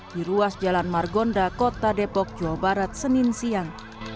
di ruas jalan margonda kota depok jawa barat senin siang